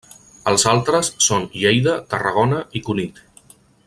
Els altres són Lleida, Tarragona i Cunit.